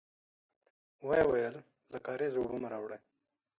ويې ويل: له کارېزه اوبه مه راوړی!